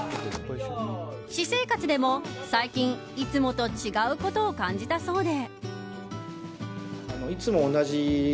私生活でも最近いつもと違うことを感じたそうで。